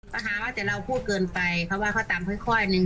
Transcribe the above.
ประหารว่าจะเล่าพูดเกินไปเพราะว่าเขาตามค่อยค่อยหนึ่ง